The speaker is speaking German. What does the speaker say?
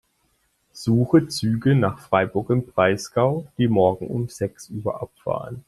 Suche Züge nach Freiburg im Breisgau, die morgen um sechs Uhr abfahren.